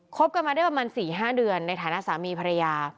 บกันมาได้ประมาณ๔๕เดือนในฐานะสามีภรรยา